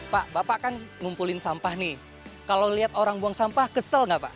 pak bapak kan ngumpulin sampah nih kalau lihat orang buang sampah kesel nggak pak